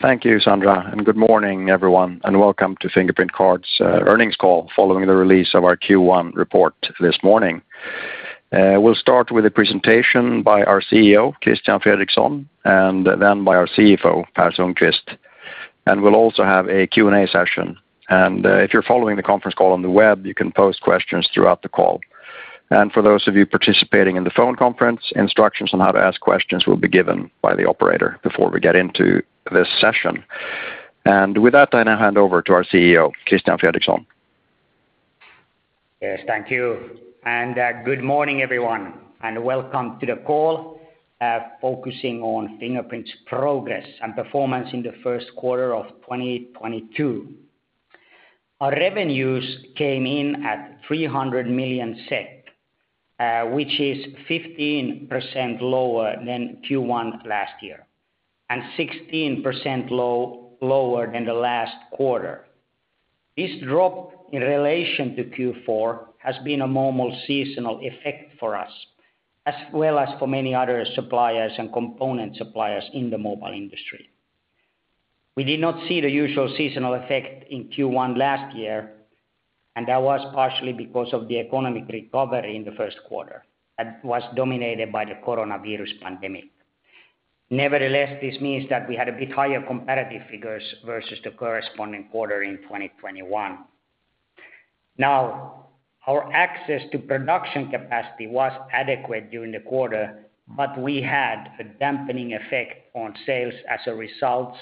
Thank you, Sandra, and good morning, everyone, and welcome to Fingerprint Cards earnings call following the release of our Q1 report this morning. We'll start with a presentation by our CEO, Christian Fredrikson, and then by our CFO, Per Sundkvist. We'll also have a Q&A session. If you're following the conference call on the web, you can post questions throughout the call. For those of you participating in the phone conference, instructions on how to ask questions will be given by the operator before we get into this session. With that, I now hand over to our CEO, Christian Fredrikson. Yes, thank you. Good morning, everyone, and welcome to the call, focusing on Fingerprint's progress and performance in the first quarter of 2022. Our revenues came in at 300 million SEK, which is 15% lower than Q1 last year, and 16% lower than the last quarter. This drop in relation to Q4 has been a normal seasonal effect for us, as well as for many other suppliers and component suppliers in the mobile industry. We did not see the usual seasonal effect in Q1 last year, and that was partially because of the economic recovery in the first quarter that was dominated by the coronavirus pandemic. Nevertheless, this means that we had a bit higher comparative figures versus the corresponding quarter in 2021. Now, our access to production capacity was adequate during the quarter, but we had a dampening effect on sales as a result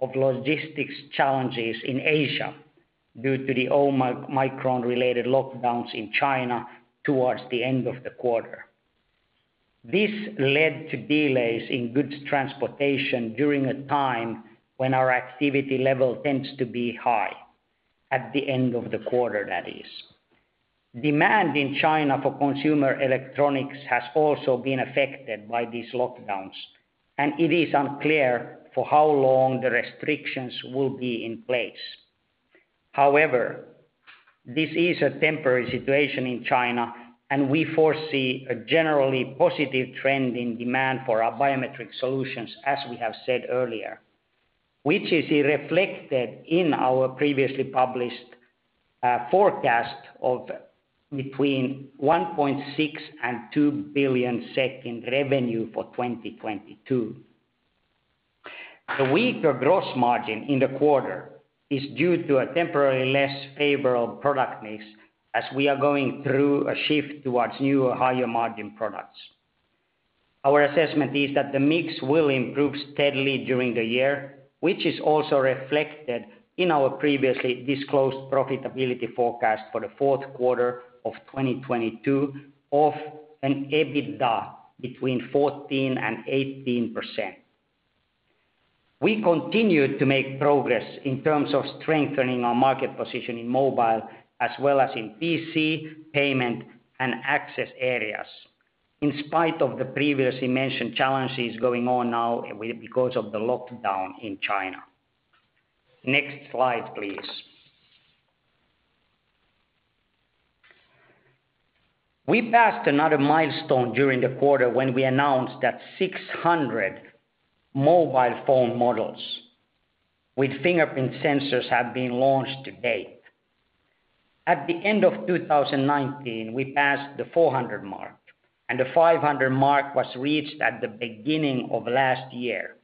of logistics challenges in Asia due to the Omicron-related lockdowns in China towards the end of the quarter. This led to delays in goods transportation during a time when our activity level tends to be high at the end of the quarter, that is. Demand in China for consumer electronics has also been affected by these lockdowns, and it is unclear for how long the restrictions will be in place. However, this is a temporary situation in China, and we foresee a generally positive trend in demand for our biometric solutions, as we have said earlier. Which is reflected in our previously published forecast of between 1.6 billion and 2 billion in revenue for 2022. The weaker gross margin in the quarter is due to a temporary less favorable product mix as we are going through a shift towards new higher margin products. Our assessment is that the mix will improve steadily during the year, which is also reflected in our previously disclosed profitability forecast for the fourth quarter of 2022 of an EBITDA between 14% to 18%. We continue to make progress in terms of strengthening our market position in mobile as well as in PC, payment, and access areas, in spite of the previously mentioned challenges going on now because of the lockdown in China. Next slide, please. We passed another milestone during the quarter when we announced that 600 mobile phone models with fingerprint sensors have been launched to date. At the end of 2019, we passed the 400 mark, and the 500 mark was reached at the beginning of last year.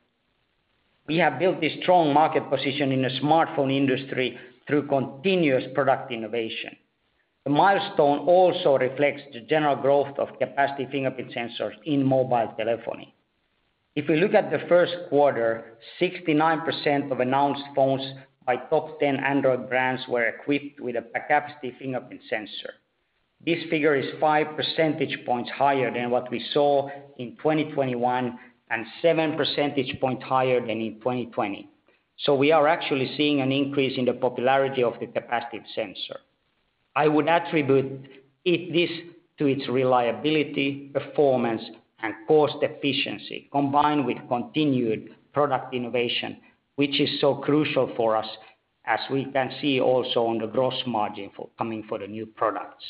We have built a strong market position in the smartphone industry through continuous product innovation. The milestone also reflects the general growth of capacitive fingerprint sensors in mobile telephony. If we look at the first quarter, 69% of announced phones by top 10 Android brands were equipped with a capacitive fingerprint sensor. This figure is 5 percentage points higher than what we saw in 2021 and 7 percentage points higher than in 2020. We are actually seeing an increase in the popularity of the capacitive sensor. I would attribute this to its reliability, performance, and cost efficiency, combined with continued product innovation, which is so crucial for us as we can see also on the gross margin for the new products.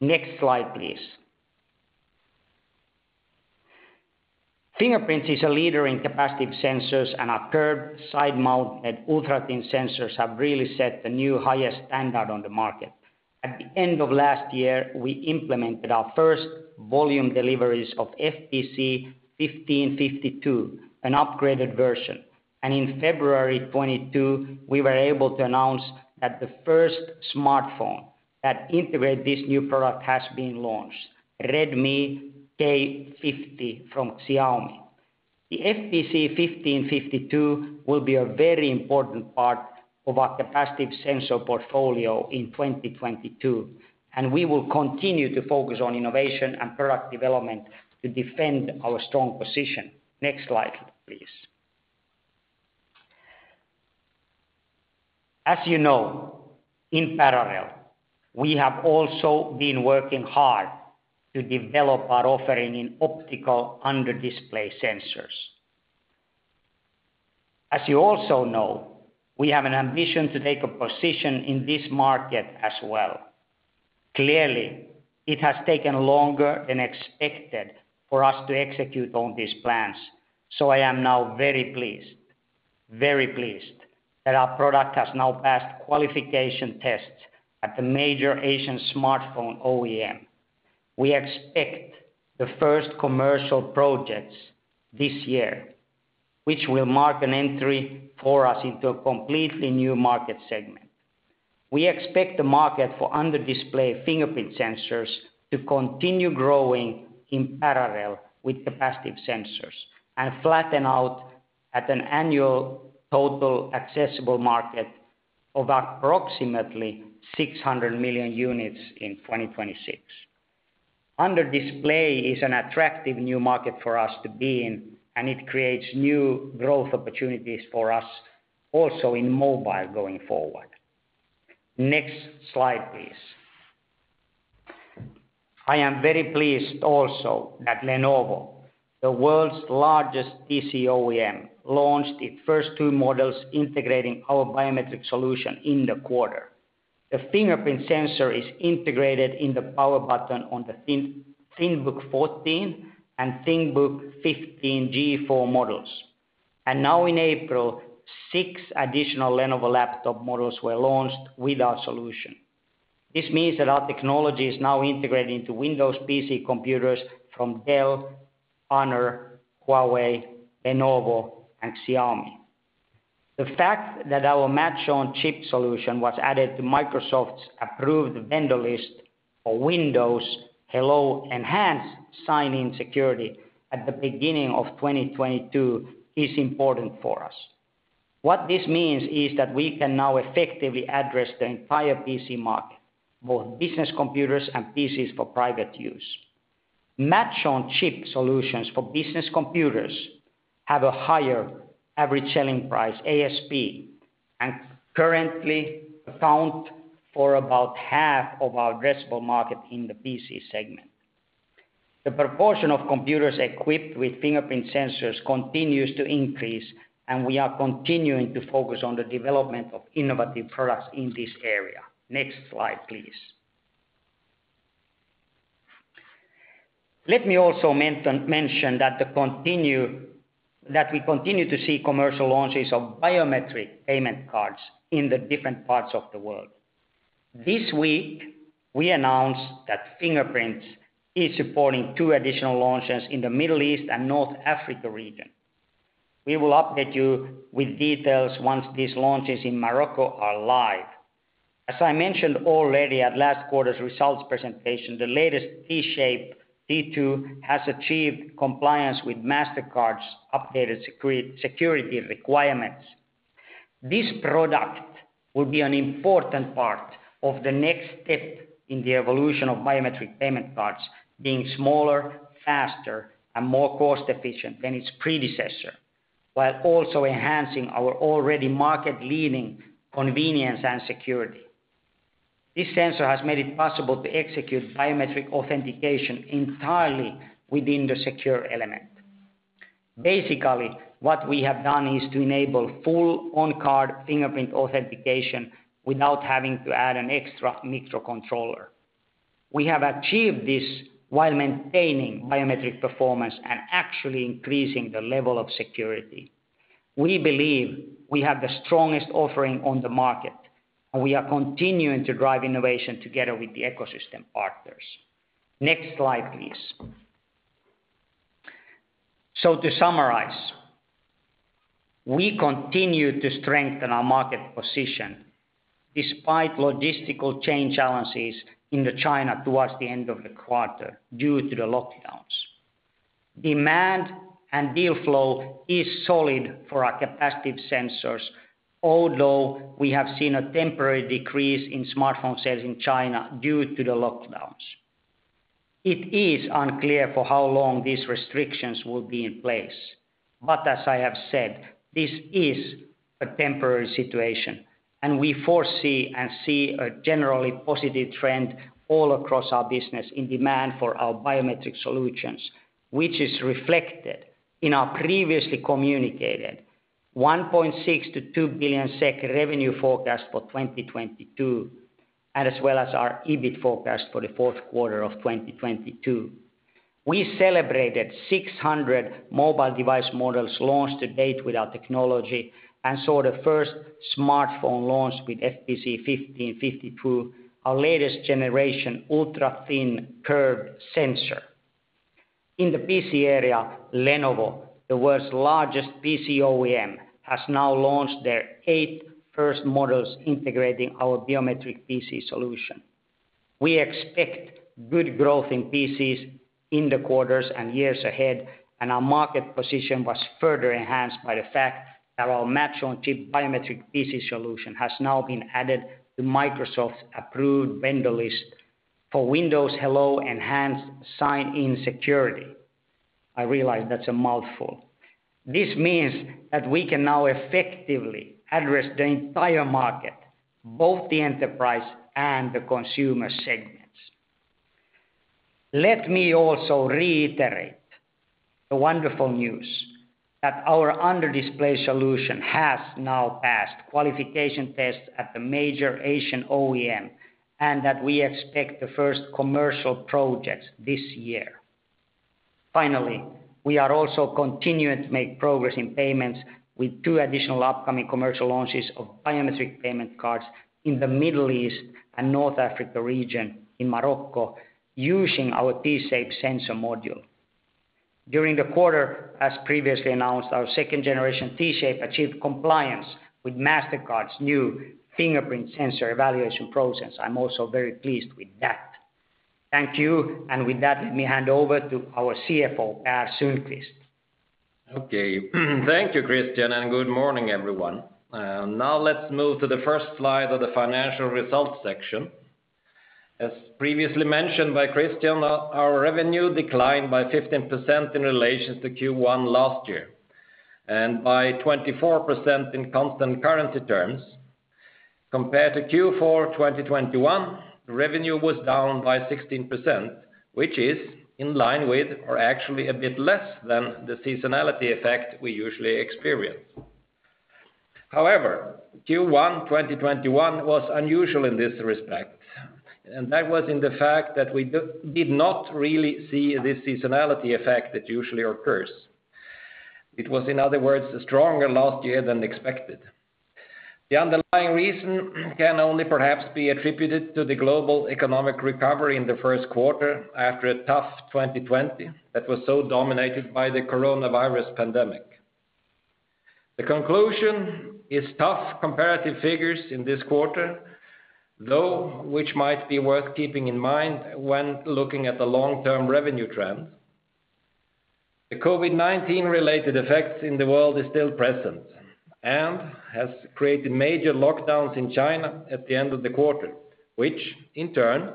Next slide, please. Fingerprint is a leader in capacitive sensors, and our curved side mounted ultra-thin sensors have really set the new highest standard on the market. At the end of last year, we implemented our first volume deliveries of FPC1552, an upgraded version. In February 2022, we were able to announce that the first smartphone that integrate this new product has been launched, Redmi K50 from Xiaomi. The FPC1552 will be a very important part of our capacitive sensor portfolio in 2022, and we will continue to focus on innovation and product development to defend our strong position. Next slide, please. As you know, in parallel, we have also been working hard to develop our offering in optical under-display sensors. As you also know, we have an ambition to take a position in this market as well. Clearly, it has taken longer than expected for us to execute on these plans. I am now very pleased that our product has now passed qualification tests at the major Asian smartphone OEM. We expect the first commercial projects this year, which will mark an entry for us into a completely new market segment. We expect the market for under-display fingerprint sensors to continue growing in parallel with capacitive sensors and flatten out at an annual total accessible market of approximately 600 million units in 2026. Under-display is an attractive new market for us to be in, and it creates new growth opportunities for us also in mobile going forward. Next slide, please. I am very pleased also that Lenovo, the world's largest PC OEM, launched its first two models integrating our biometric solution in the quarter. The fingerprint sensor is integrated in the power button on the ThinkBook 14 and ThinkBook 15 G4 models. Now in April, six additional Lenovo laptop models were launched with our solution. This means that our technology is now integrated into Windows PC computers from Dell, Honor, Huawei, Lenovo, and Xiaomi. The fact that our Match-on-Chip solution was added to Microsoft's approved vendor list for Windows Hello Enhanced Sign-in Security at the beginning of 2022 is important for us. What this means is that we can now effectively address the entire PC market, both business computers and PC for private use. Match-on-Chip solutions for business computers have a higher average selling price, ASP, and currently account for about half of our addressable market in the PC segment. The proportion of computers equipped with fingerprint sensors continues to increase, and we are continuing to focus on the development of innovative products in this area. Next slide, please. Let me also mention that we continue to see commercial launches of biometric payment cards in the different parts of the world. This week, we announced that Fingerprint is supporting two additional launches in the Middle East and North Africa region. We will update you with details once these launches in Morocco are live. As I mentioned already at last quarter's results presentation, the latest T-Shape T2 has achieved compliance with Mastercard's updated security requirements. This product will be an important part of the next step in the evolution of biometric payment cards being smaller, faster, and more cost-efficient than its predecessor, while also enhancing our already market-leading convenience and security. This sensor has made it possible to execute biometric authentication entirely within the secure element. Basically, what we have done is to enable full on-card fingerprint authentication without having to add an extra microcontroller. We have achieved this while maintaining biometric performance and actually increasing the level of security. We believe we have the strongest offering on the market, and we are continuing to drive innovation together with the ecosystem partners. Next slide, please. To summarize, we continue to strengthen our market position despite logistical chain challenges in the China towards the end of the quarter due to the lockdowns. Demand and deal flow is solid for our capacitive sensors, although we have seen a temporary decrease in smartphone sales in China due to the lockdowns. It is unclear for how long these restrictions will be in place. As I have said, this is a temporary situation, and we foresee and see a generally positive trend all across our business in demand for our biometric solutions, which is reflected in our previously communicated 1.6 billion to 2 billion SEK revenue forecast for 2022, and as well as our EBIT forecast for the fourth quarter of 2022. We celebrated 600 mobile device models launched to date with our technology and saw the first smartphone launch with FPC1552, our latest generation ultra-thin curved sensor. In the PC area, Lenovo, the world's largest PC OEM, has now launched their first eight models integrating our biometric PC solution. We expect good growth in PCs in the quarters and years ahead, and our market position was further enhanced by the fact that our Match-on-Chip biometric PC solution has now been added to Microsoft's approved vendor list for Windows Hello Enhanced Sign-in Security. I realize that's a mouthful. This means that we can now effectively address the entire market, both the enterprise and the consumer segments. Let me also reiterate the wonderful news that our under-display solution has now passed qualification tests at the major Asian OEM, and that we expect the first commercial projects this year. Finally, we are also continuing to make progress in payments with two additional upcoming commercial launches of biometric payment cards in the Middle East and North Africa region in Morocco using our T-Shape sensor module. During the quarter, as previously announced, our second generation T-Shape achieved compliance with Mastercard's new fingerprint sensor evaluation process. I'm also very pleased with that. Thank you. With that, let me hand over to our CFO, Per Sundkvist. Okay. Thank you, Christian, and good morning, everyone. Now let's move to the first slide of the financial results section. As previously mentioned by Christian, our revenue declined by 15% in relation to Q1 last year, and by 24% in constant currency terms. Compared to Q4 2021, revenue was down by 16%, which is in line with or actually a bit less than the seasonality effect we usually experience. However, Q1 2021 was unusual in this respect, and that was in the fact that we did not really see the seasonality effect that usually occurs. It was, in other words, stronger last year than expected. The underlying reason can only perhaps be attributed to the global economic recovery in the first quarter after a tough 2020 that was so dominated by the coronavirus pandemic. The conclusion is tough comparative figures in this quarter, though which might be worth keeping in mind when looking at the long-term revenue trends. The COVID-19 related effects in the world is still present and has created major lockdowns in China at the end of the quarter, which in turn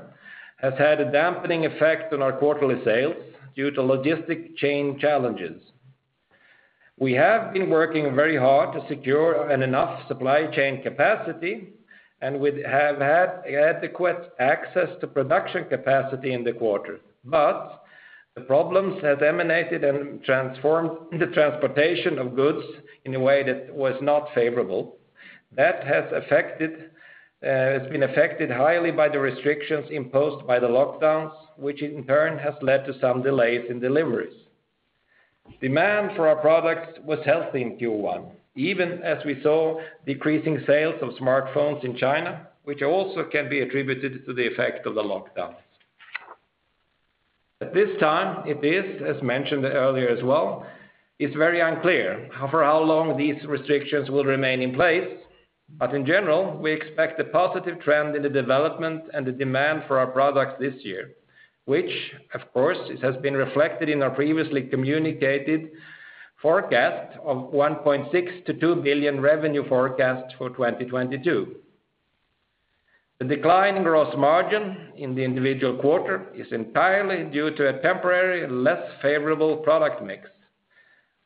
has had a dampening effect on our quarterly sales due to logistic chain challenges. We have been working very hard to secure an enough supply chain capacity, and we have had adequate access to production capacity in the quarter. The problems have emanated and transformed the transportation of goods in a way that was not favorable. That has been affected highly by the restrictions imposed by the lockdowns, which in turn has led to some delays in deliveries. Demand for our products was healthy in Q1, even as we saw decreasing sales of smartphones in China, which also can be attributed to the effect of the lockdowns. At this time, it is, as mentioned earlier as well, it's very unclear for how long these restrictions will remain in place. In general, we expect a positive trend in the development and the demand for our products this year, which of course, it has been reflected in our previously communicated forecast of 1.6 billion to 2 billion revenue forecast for 2022. The decline in gross margin in the individual quarter is entirely due to a temporary less favorable product mix.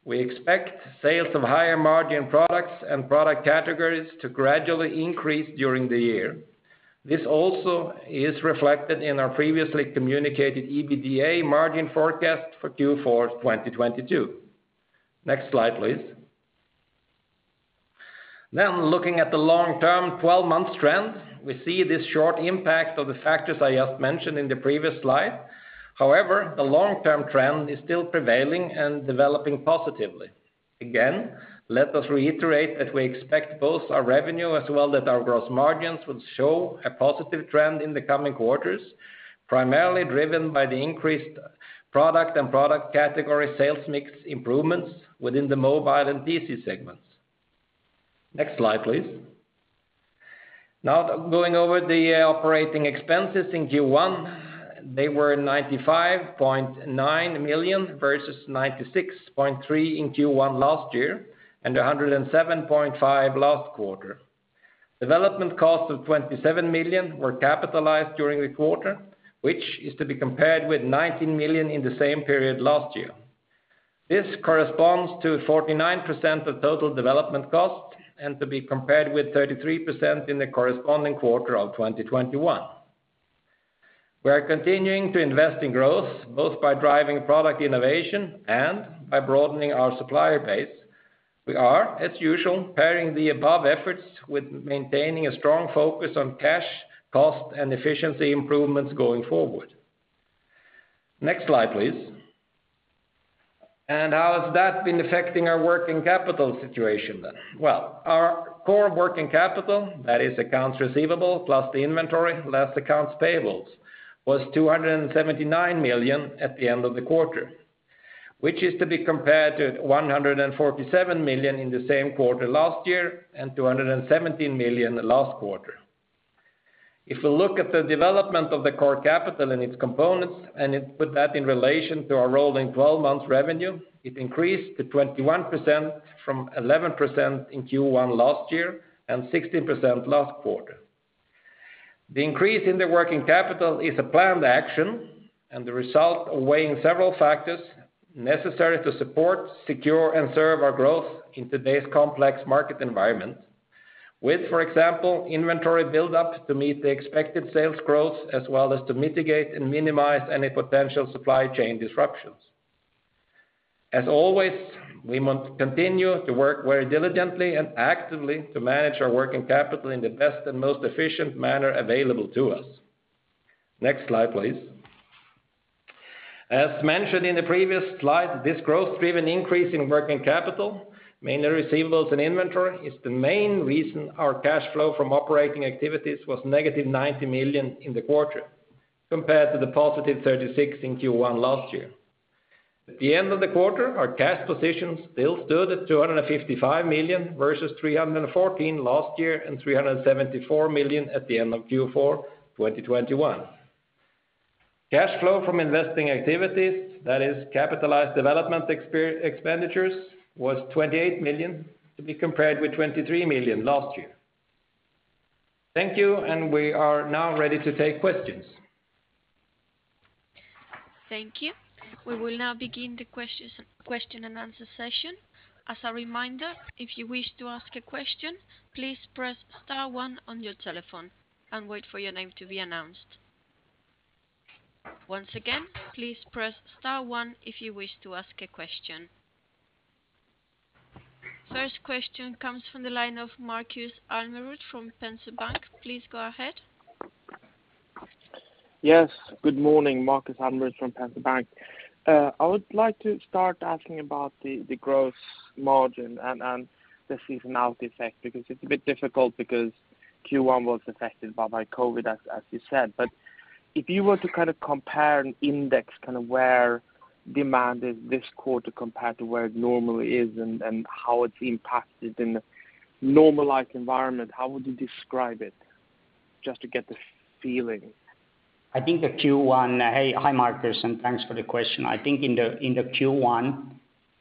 We expect sales of higher margin products and product categories to gradually increase during the year. This also is reflected in our previously communicated EBITDA margin forecast for Q4 2022. Next slide, please. Looking at the long-term 12-month trend, we see this short impact of the factors I just mentioned in the previous slide. However, the long-term trend is still prevailing and developing positively. Again, let us reiterate that we expect both our revenue as well as our gross margins would show a positive trend in the coming quarters, primarily driven by the increased product and product category sales mix improvements within the mobile and PC segments. Next slide, please. Now, going over the operating expenses in Q1, they were 95.9 million to 96.3 million in Q1 last year and 107.5 million last quarter. Development costs of 27 million were capitalized during the quarter, which is to be compared with 19 million in the same period last year. This corresponds to 49% of total development costs and to be compared with 33% in the corresponding quarter of 2021. We are continuing to invest in growth, both by driving product innovation and by broadening our supplier base. We are, as usual, pairing the above efforts with maintaining a strong focus on cash, cost, and efficiency improvements going forward. Next slide, please. How has that been affecting our working capital situation then? Well, our core working capital, that is accounts receivable plus the inventory less accounts payables, was 279 million at the end of the quarter, which is to be compared to 147 million in the same quarter last year and 217 million last quarter. If we look at the development of the core capital and its components, and put that in relation to our rolling 12 months revenue, it increased to 21% from 11% in Q1 last year and 16% last quarter. The increase in the working capital is a planned action and the result of weighing several factors necessary to support, secure, and serve our growth in today's complex market environment, with, for example, inventory build up to meet the expected sales growth, as well as to mitigate and minimize any potential supply chain disruptions. As always, we want to continue to work very diligently and actively to manage our working capital in the best and most efficient manner available to us. Next slide, please. As mentioned in the previous slide, this growth-driven increase in working capital, mainly receivables and inventory, is the main reason our cash flow from operating activities was 90 million in the quarter compared to the positive 36 in Q1 last year. At the end of the quarter, our cash position still stood at 255 million versus 314 million last year, and 374 million at the end of Q4 2021. Cash flow from investing activities, that is capitalized development expenditures, was 28 million to be compared with 23 million last year. Thank you, and we are now ready to take questions. Thank you. We will now begin the questions, question and answer session. As a reminder, if you wish to ask a question, please press star one on your telephone and wait for your name to be announced. Once again, please press star one if you wish to ask a question. First question comes from the line of Markus Almerud from Swedbank. Please go ahead. Good morning, Markus Almerud from Swedbank. I would like to start asking about the gross margin and the seasonality effect because it's a bit difficult because Q1 was affected by COVID as you said. If you were to kind of compare an index kind of where demand is this quarter compared to where it normally is and how it's impacted in the normalized environment, how would you describe it? Just to get the feeling. Hi, Markus, and thanks for the question. I think in the Q1,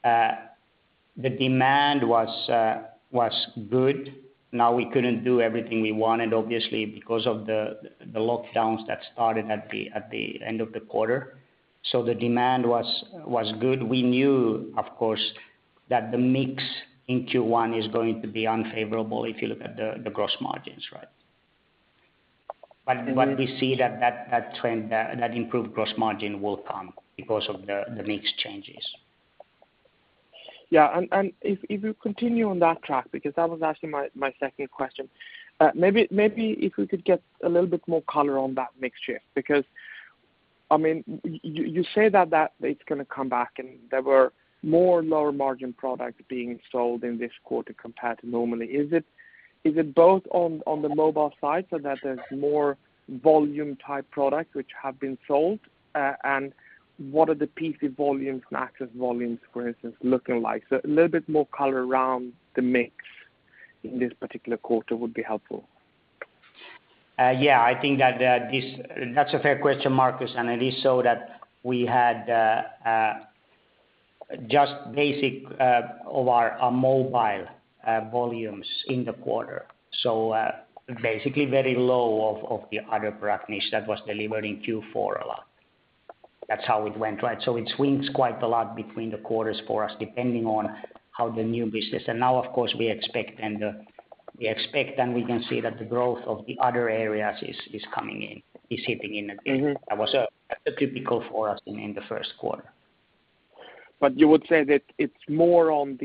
the demand was good. Now we couldn't do everything we wanted, obviously, because of the lockdowns that started at the end of the quarter. The demand was good. We knew, of course, that the mix in Q1 is going to be unfavorable if you look at the gross margins, right? But we see that trend, that improved gross margin will come because of the mix changes. If you continue on that track, because that was actually my second question, maybe if we could get a little bit more color on that mix shift, because, I mean, you say that it's gonna come back and there were more lower margin products being sold in this quarter compared to normally. Is it both on the mobile side so that there's more volume type products which have been sold? And what are the PC volumes and access volumes, for instance, looking like? A little bit more color around the mix in this particular quarter would be helpful. Yeah. I think that's a fair question, Markus, and it is so that we had just basically of our mobile volumes in the quarter. Basically very low of the other product mix that was delivered in Q4 a lot. That's how it went, right? It swings quite a lot between the quarters for us, depending on how the new business. Now of course, we expect and we can see that the growth of the other areas is coming in, is hitting in. Mm-hmm. That was atypical for us in the first quarter. You would say that it's more on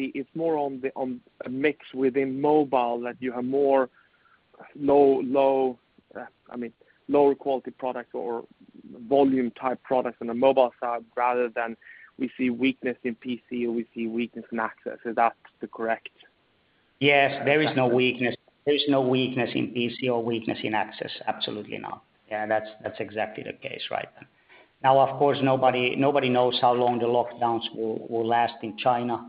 a mix within mobile, that you have more low, I mean, lower quality products or volume type products on the mobile side rather than we see weakness in PC or we see weakness in access. Is that the correct assumption? Yes. There is no weakness. There is no weakness in PC or weakness in access. Absolutely not. Yeah, that's exactly the case, right. Now of course, nobody knows how long the lockdowns will last in China.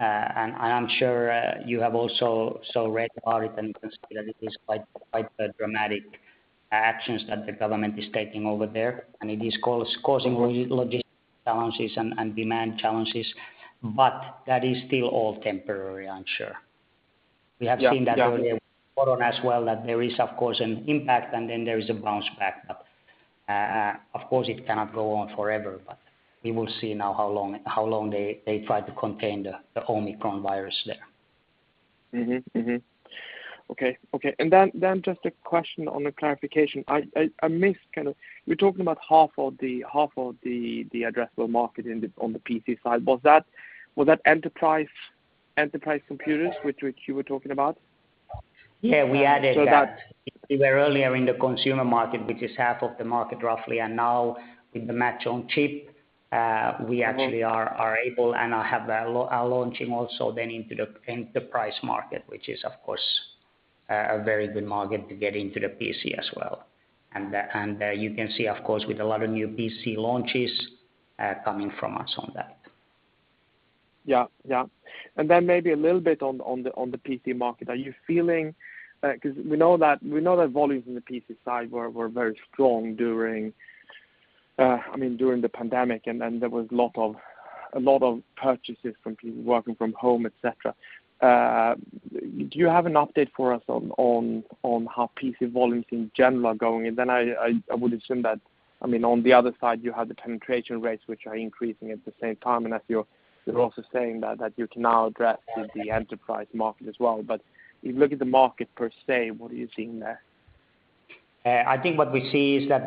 I am sure you have also so read about it and can see that it is quite dramatic actions that the government is taking over there, and it is causing logistical challenges and demand challenges. That is still all temporary, I'm sure. Yeah. Yeah. We have seen that earlier with Corona as well, that there is of course an impact and then there is a bounce back. Of course, it cannot go on forever, but we will see now how long they try to contain the Omicron virus there. Just a question on the clarification. I missed kind of you're talking about half of the addressable market on the PC side. Was that enterprise computers which you were talking about? Yeah. We added that. So that- We were earlier in the consumer market, which is half of the market roughly, and now with the Match-on-Chip. Mm-hmm. We actually are able, and I have a launching also then into the enterprise market, which is of course a very good market to get into the PC as well. You can see of course with a lot of new PC launches coming from us on that. Yeah. Yeah. Then maybe a little bit on the PC market. Are you feeling, 'cause we know that volumes in the PC side were very strong during, I mean, during the pandemic and there was a lot of purchases from people working from home, et cetera. Do you have an update for us on how PC volumes in general are going? Then I would assume that, I mean, on the other side you have the penetration rates which are increasing at the same time, and as you're also saying that you can now address the enterprise market as well. If you look at the market per se, what are you seeing there? I think what we see is that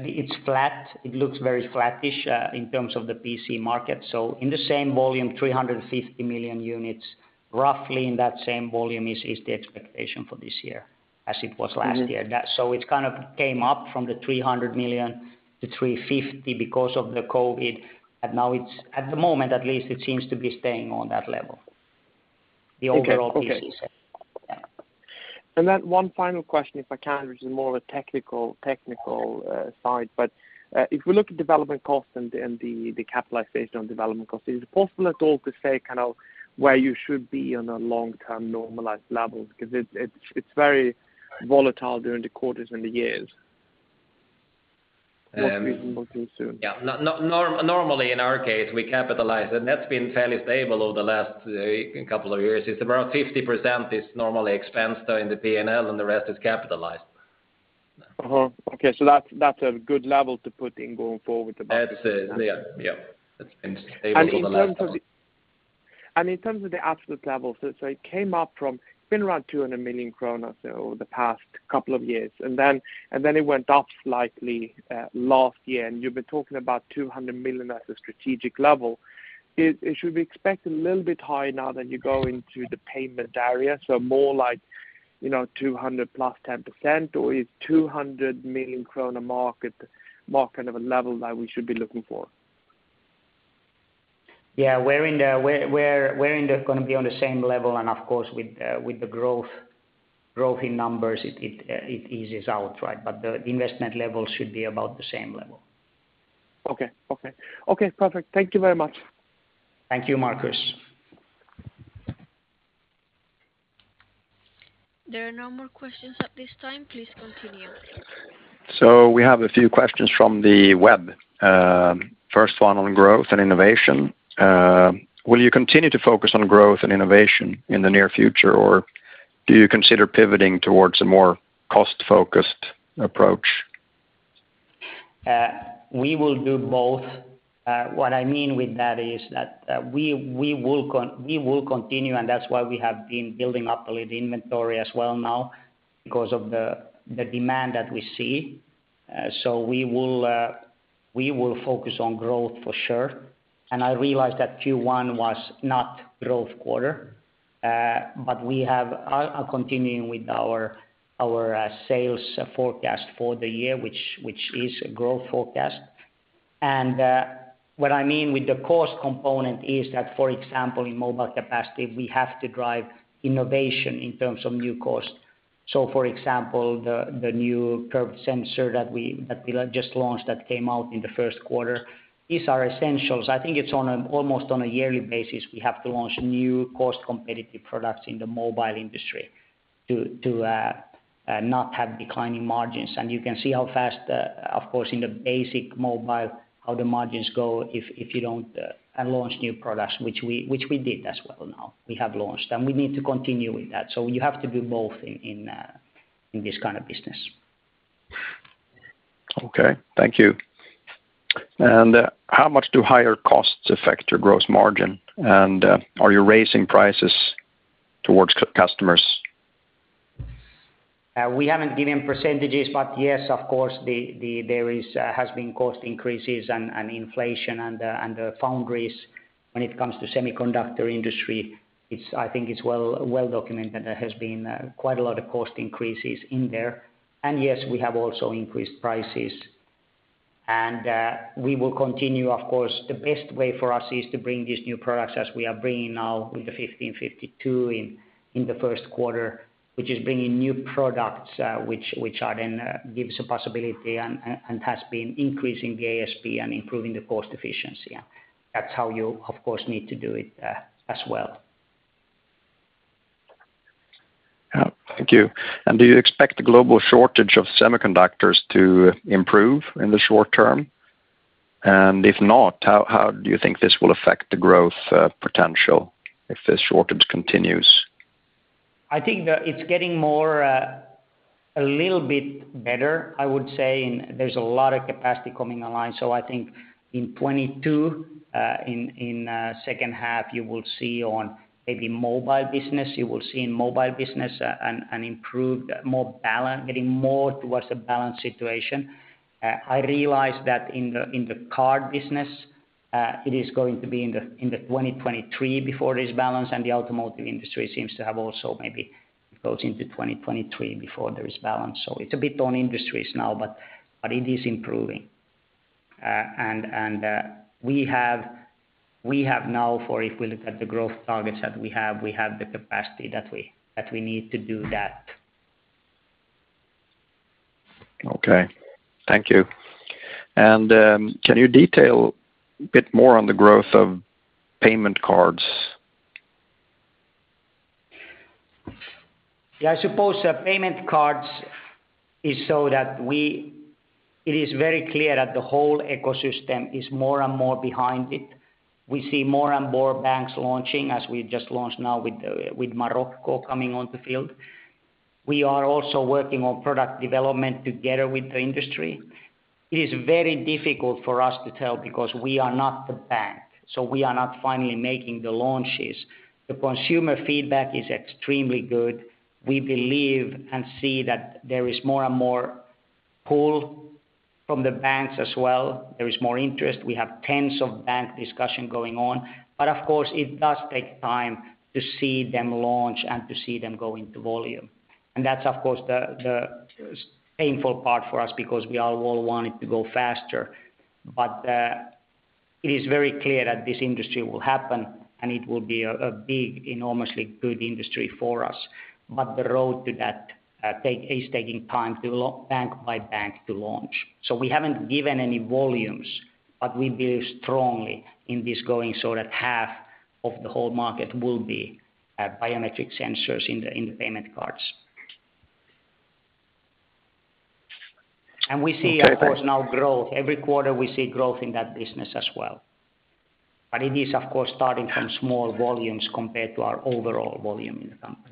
it's flat. It looks very flattish in terms of the PC market. In the same volume, 350 million units, roughly in that same volume is the expectation for this year as it was last year. It's kind of came up from the 300 million to 350 because of the COVID. At the moment, at least it seems to be staying on that level. Okay. The overall PC side. Yeah. One final question, if I can, which is more of a technical side. If we look at development costs and the capitalization on development costs, is it possible at all to say kind of where you should be on a long-term normalized level? Because it's very- Right. Volatile during the quarters and the years. Um. What we can look into. Yeah. Normally, in our case, we capitalize, and that's been fairly stable over the last couple of years. It's around 50% is normally expensed there in the P&L, and the rest is capitalized. That's a good level to put in going forward. I had to say yeah. Yeah. It's been stable over the last couple. In terms of the absolute levels, it came up from been around 200 million kronor over the past couple of years. It went up slightly last year. You've been talking about 200 million as a strategic level. It should be expected a little bit high now that you go into the payment area. More like, you know, 200 10%+, or is 200 million krona market more kind of a level that we should be looking for? Yeah. We're gonna be on the same level. Of course, with the growth in numbers, it eases out, right? The investment level should be about the same level. Okay, perfect. Thank you very much. Thank you, Markus. There are no more questions at this time. Please continue. We have a few questions from the web. First one on growth and innovation. Will you continue to focus on growth and innovation in the near future, or do you consider pivoting towards a more cost-focused approach? We will do both. What I mean with that is that we will continue, and that's why we have been building up a lead inventory as well now because of the demand that we see. We will focus on growth for sure. I realize that Q1 was not growth quarter. We are continuing with our sales forecast for the year, which is a growth forecast. What I mean with the cost component is that, for example, in mobile capacity, we have to drive innovation in terms of new cost. For example, the new curved sensor that we just launched that came out in the first quarter is our essentials. I think it's almost on a yearly basis, we have to launch new cost competitive products in the mobile industry to not have declining margins. You can see how fast, of course, in the basic mobile, how the margins go if you don't launch new products, which we did as well now. We have launched, and we need to continue with that. You have to do both in this kind of business. Okay. Thank you. How much do higher costs affect your gross margin? Are you raising prices toward customers? We haven't given percentages, but yes, of course, there has been cost increases and inflation and the foundries when it comes to semiconductor industry. I think it's well documented there has been quite a lot of cost increases in there. Yes, we have also increased prices. We will continue, of course. The best way for us is to bring these new products as we are bringing now with the 1552 in the first quarter, which is bringing new products, which are then gives a possibility and has been increasing the ASP and improving the cost efficiency. That's how you, of course, need to do it, as well. Yeah. Thank you. Do you expect the global shortage of semiconductors to improve in the short term? If not, how do you think this will affect the growth potential if the shortage continues? I think it's getting more, a little bit better, I would say. There's a lot of capacity coming online. I think in 2022, in second half, you will see on maybe mobile business, you will see in mobile business an improved, more balanced, getting more towards a balanced situation. I realize that in the card business, it is going to be in the 2023 before it is balanced, and the automotive industry seems to have also maybe goes into 2023 before there is balance. It's a bit on industries now, but it is improving. We have now for if we look at the growth targets that we have, we have the capacity that we need to do that. Okay. Thank you. Can you detail a bit more on the growth of payment cards? Yeah, I suppose that payment cards is so that it is very clear that the whole ecosystem is more and more behind it. We see more and more banks launching as we just launched now with Morocco coming on the field. We are also working on product development together with the industry. It is very difficult for us to tell because we are not the bank, so we are not finally making the launches. The consumer feedback is extremely good. We believe and see that there is more and more pull from the banks as well. There is more interest. We have tens of bank discussion going on. But of course it does take time to see them launch and to see them go into volume. That's of course the slow painful part for us because we all want it to go faster. It is very clear that this industry will happen, and it will be a big enormously good industry for us. The road to that is taking time to bank by bank to launch. We haven't given any volumes, but we believe strongly in this going so that half of the whole market will be biometric sensors in the payment cards. We see, of course, now growth. Every quarter we see growth in that business as well. It is, of course, starting from small volumes compared to our overall volume in the company.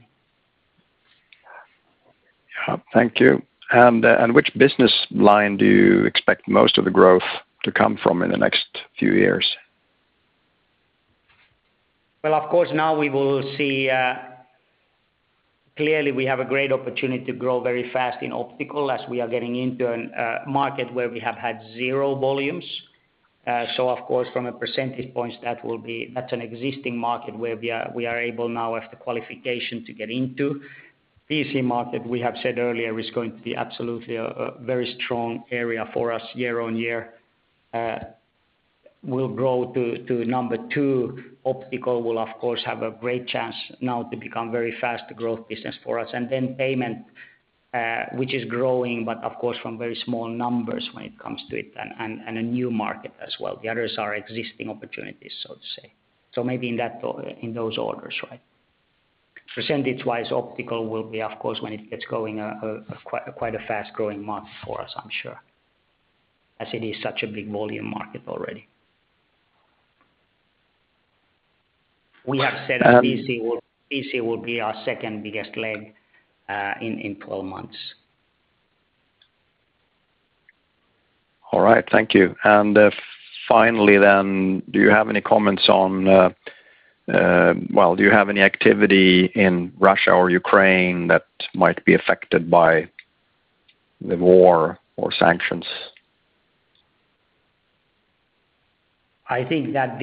Yeah. Thank you. Which business line do you expect most of the growth to come from in the next few years? Well, of course, now we will see. Clearly we have a great opportunity to grow very fast in optical as we are getting into a market where we have had zero volumes. Of course, from a percentage points, that's an existing market where we are able now with the qualification to get into. PC market, we have said earlier, is going to be absolutely a very strong area for us year-on-year. We'll grow to number two. Optical will of course have a great chance now to become very fast growth business for us. Payment, which is growing, but of course from very small numbers when it comes to it and a new market as well. The others are existing opportunities, so to say. Maybe in that or in those orders, right? Percentage-wise, optical will be of course when it gets going, quite a fast-growing market for us, I'm sure, as it is such a big volume market already. We have said that PC will be our second biggest leg in 12 months. All right, thank you. Finally then, well, do you have any activity in Russia or Ukraine that might be affected by the war or sanctions? I think that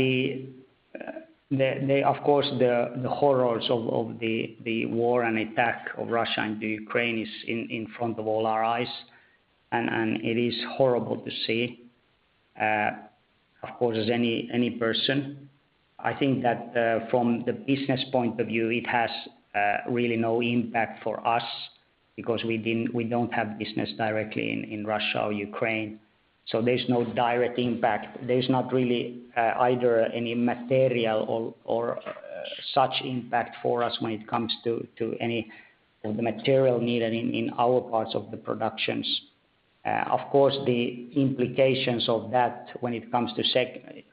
of course, the horrors of the war and attack of Russia into Ukraine is in front of all our eyes, and it is horrible to see, of course, as any person. I think that from the business point of view, it has really no impact for us because we don't have business directly in Russia or Ukraine, so there's no direct impact. There's not really either any material or such impact for us when it comes to any of the material needed in our parts of the productions. Of course, the implications of that when it comes to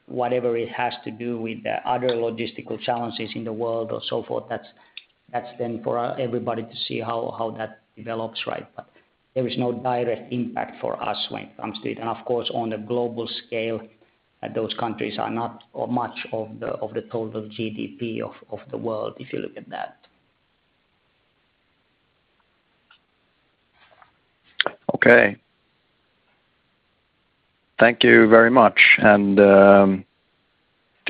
whatever it has to do with the other logistical challenges in the world or so forth, that's then for everybody to see how that develops, right? There is no direct impact for us when it comes to it. Of course, on a global scale, those countries are not much of the total GDP of the world if you look at that. Okay. Thank you very much. Do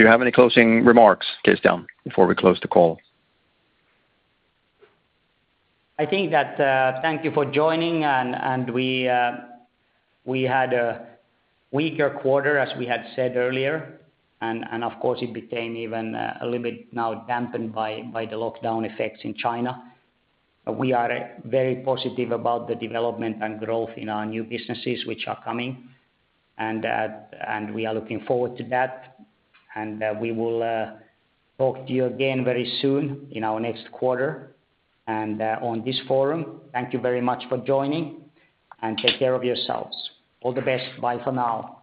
you have any closing remarks, Fredrikson, before we close the call? I think that thank you for joining and we had a weaker quarter, as we had said earlier. Of course, it became even a little bit now dampened by the lockdown effects in China. We are very positive about the development and growth in our new businesses which are coming, and we are looking forward to that. We will talk to you again very soon in our next quarter and on this forum. Thank you very much for joining, and take care of yourselves. All the best. Bye for now.